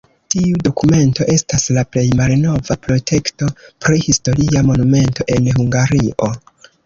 Tiu dokumento estas la plej malnova protekto pri historia monumento en Hungario.